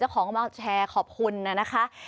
เจ้าของกำลังแชร์ขอบคุณนะนะคะ